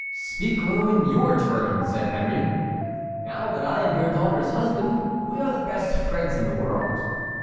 "Speak low in your turn," said Henry; "now that I am her daughter's husband we are the best friends in the world.